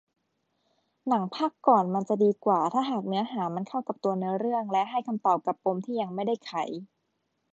หนังภาคก่อนมันจะดีกว่าถ้าหากเนื้อหามันเข้ากับตัวเนื้อเรื่องและให้คำตอบกับปมที่ยังไม่ได้ไข